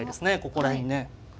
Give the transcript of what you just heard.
ここら辺にね。